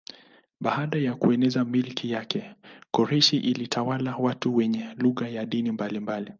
Baada ya kueneza milki yake Koreshi alitawala watu wenye lugha na dini mbalimbali.